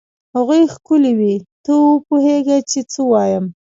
هغوی ښکلې وې؟ ته وپوهېږه چې څه وایم.